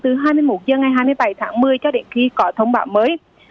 từ hai mươi một h ngày hai mươi bảy tháng một mươi cho đến khi có thông báo mới